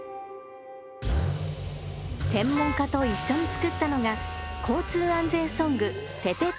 専門家と一緒に作ったのが交通安全ソング、ててて！